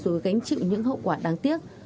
đừng đánh chịu những hậu quả đáng tiếc